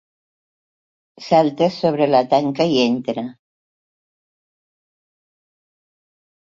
Salta sobre la tanca i entra.